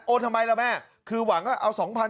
ทำไมล่ะแม่คือหวังว่าเอา๒๐๐๐